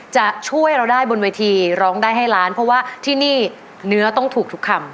จะช่วยเราได้บนเวทีร้องได้ให้ล้านเพราะว่าที่นี่เนื้อต้องถูกทุกคำ